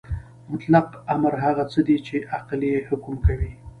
مطلق امر هغه څه دی چې عقل یې حکم کوي.